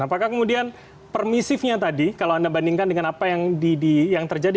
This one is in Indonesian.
apakah kemudian permisifnya tadi kalau anda bandingkan dengan apa yang di di yang terjadi